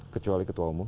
kecuali ketua umum